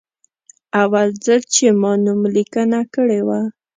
اول ځل چې ما نوملیکنه کړې وه.